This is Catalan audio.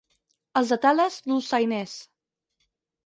Els de Tales, dolçainers.